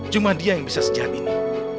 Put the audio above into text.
cuma dia yang bisa sejahat ini